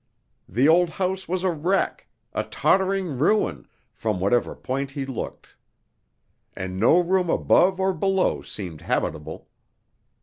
The old house was a wreck, a tottering ruin, from whatever point he looked; and no room above or below seemed habitable.